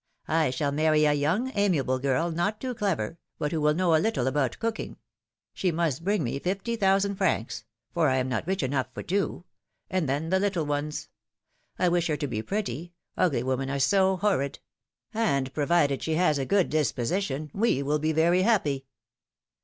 I shall marry a young, amiable girl, not too clever, but who will know a little about cooking; she must bring me fifty thousand francs — for I am not rich enough for two — and then the little ones !— I wish her to be pretty — ugly women are so horrid !— and provided she has a good dis position, we will be very happy!"